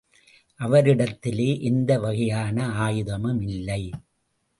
அவரிடத்திலே எந்த வகையான ஆயுதமும் இல்லை.